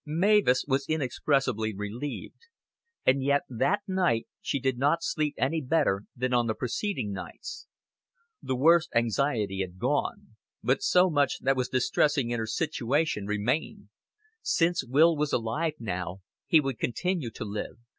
Mavis was inexpressibly relieved; and yet that night she did not sleep any better than on the preceding nights. The worst anxiety had gone, but so much that was distressing in her situation remained. Since Will was alive now, he would continue to live.